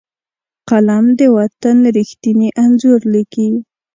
قلم د وطن ریښتیني انځور لیکي